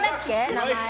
名前。